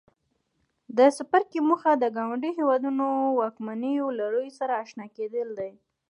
د څپرکي موخې د ګاونډیو هېوادونو واکمنو لړیو سره آشنا کېدل دي.